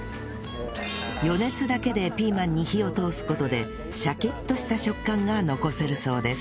余熱だけでピーマンに火を通す事でシャキッとした食感が残せるそうです